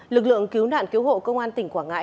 lực lượng cứu nạn cứu hộ công an tỉnh quảng ngãi